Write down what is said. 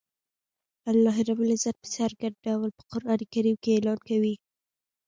الله رب العزت په څرګند ډول په قران کریم کی اعلان کوی